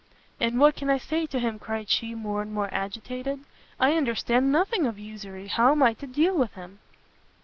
"And what can I say to him?" cried she, more and more agitated; "I understand nothing of usury; how am I to deal with him?"